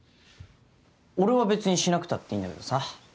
俺は別にしなくたっていいんだけどさ。